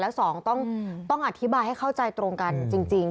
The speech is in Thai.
และสองต้องอธิบายให้เข้าใจตรงกันจริง